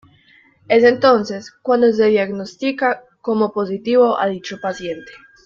Es entonces cuando se diagnostica como positivo a dicho paciente.